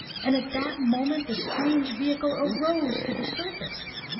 And at that moment the strange vehicle arose to the surface.